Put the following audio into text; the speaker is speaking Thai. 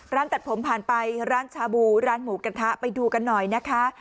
ร้านตัดผมผ่านไปร้านชาบูร้านหมูกระทะไปดูกันหน่อยนะคะ